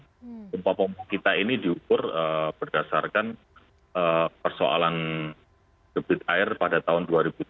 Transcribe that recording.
pompa pompa kita ini diukur berdasarkan persoalan gebit air pada tahun dua ribu dua puluh